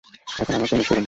এখন আমাকে অনুসরণ কর।